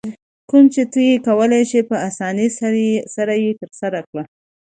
کوم چې ته یې کولای شې په اسانۍ سره یې ترسره کړې.